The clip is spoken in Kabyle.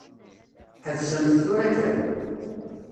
Ḥebsemt tura kan.